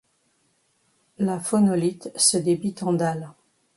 La phonolite se débite en dalle.